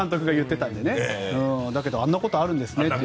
でもあんなことあるんですね。